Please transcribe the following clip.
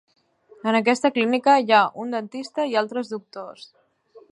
En aquesta clínica hi ha un dentista i altres doctors.